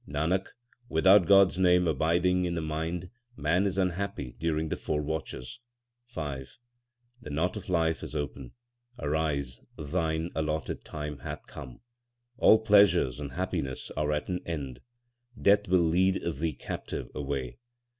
Nanak, without God s name abiding in the mind man is unhappy during the four watches. V The knot of life is open ; arise, thine allotted time hath come. All pleasures and happiness are at an end ; Death will lead thee captive away.